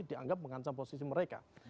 dianggap mengancam posisi mereka